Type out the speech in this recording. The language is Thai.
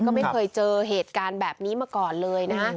ก็ไม่เคยเจอเหตุการณ์แบบนี้มาก่อนเลยนะ